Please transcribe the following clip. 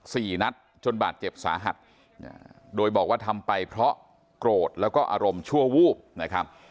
สี่นัดจนบาดเจ็บสาหัสโดยบอกว่าทำไปเพราะโกรธแล้วก็อารมณ์ชั่ววูบนะครับ